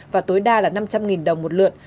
và tối đa là năm trăm linh đồng một lượt